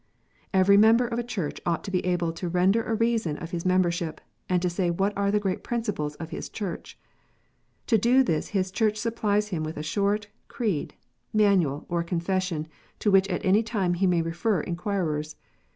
Every member of a Church ought to be able to render a reason of his membership, and to say what are the great principles of his Church. To do this his Church supplies him with a short creed, manual, or Confession, to which at any time he may refer inquirers.